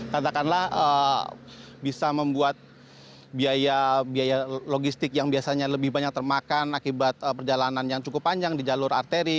katakanlah bisa membuat biaya logistik yang biasanya lebih banyak termakan akibat perjalanan yang cukup panjang di jalur arteri